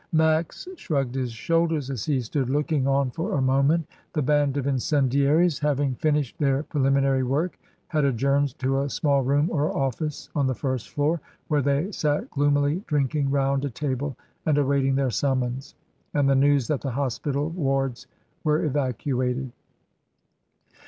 Max shrugged his shoulders as he stood looking on for a moment. The band of incendiaries, having 28o MRS. DYMOND. finished their preliminary work, had adjourned to £ small room or office on the first floor, where they sat gloomily drinking round a table and awaiting their summons, and the news that the hospital wards were evacuated.